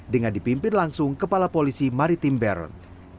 dengan dipimpin langsung kepala polisi maritim beron